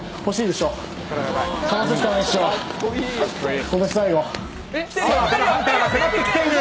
しかしハンターが迫ってきている。